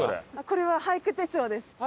これは俳句手帳です。